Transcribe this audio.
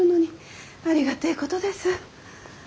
ありがてえことです。